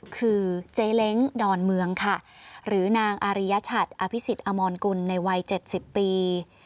คือเจ๊เล้งดอนเมืองค่ะหรือนางอาริยชัดอภิษฎอมรกุลในวัย๗๐ปี